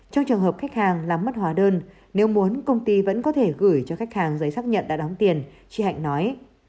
trong trường hợp khách hàng làm mất hóa đơn nếu muốn công ty vẫn có thể gửi cho khách hàng giấy xác nhận đã đóng tiền chị hạnh nói